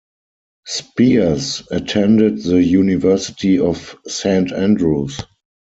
Spiers attended the University of Saint Andrews.